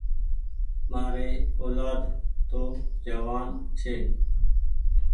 مآري اولآد تو جوآن ڇي۔